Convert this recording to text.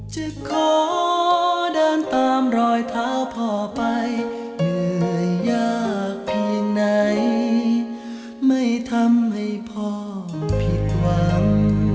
จะขอเดินตามรอยเท้าพ่อไปเหนื่อยยากเพียงไหนไม่ทำให้พ่อผิดหวัง